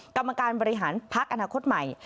กรรมการบริหารพักอนาคตใหม่